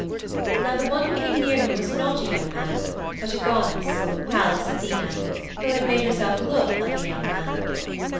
Now the one who came near him was not a young man, but the goddess, Pallas Athene, who had made herself look like a young man.